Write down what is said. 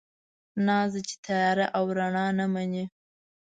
ناز دی، چې تياره او رڼا نه مني